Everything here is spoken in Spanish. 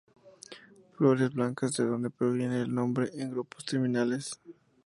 Flores blancas -de donde proviene el nombre- en grupos terminales.